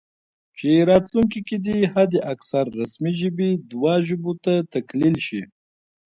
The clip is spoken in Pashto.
چې راتلونکي کې دې حد اکثر رسمي ژبې دوه ژبو ته تقلیل شي